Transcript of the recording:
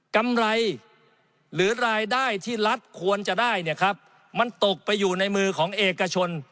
กำไรหรือรายได้ที่รัฐควรจะได้เนี่ยครับมันตกไปอยู่ในมือของเอกชน